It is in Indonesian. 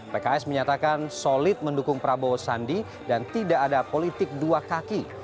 pks menyatakan solid mendukung prabowo sandi dan tidak ada politik dua kaki